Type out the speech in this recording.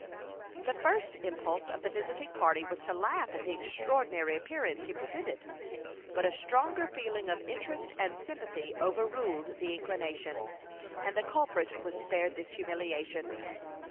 The first impulse of the visiting party was to laugh at the extraordinary appearance he presented; but a stronger feeling of interest and sympathy overruled the inclination, and the culprit was spared this humiliation.